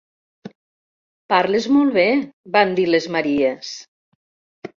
Parles molt bé van dir les Maries.